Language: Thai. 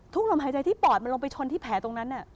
ลมหายใจที่ปอดมันลงไปชนที่แผลตรงนั้น